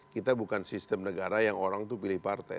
kita bukan sistem negara yang orang itu pilih partai